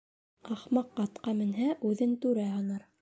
Ахмаҡ атҡа менһә, үҙен түрә һанар.